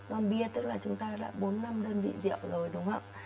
uống bia tức là chúng ta đã bốn năm đơn vị rượu rồi đúng không